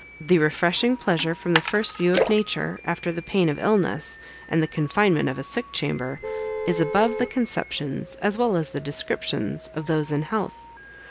The refreshing pleasure from the first view of nature, after the pain of illness, and the confinement of a sick chamber, is above the conceptions, as well as the descriptions, of those in health.